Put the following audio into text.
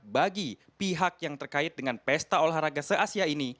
bagi pihak yang terkait dengan pesta olahraga se asia ini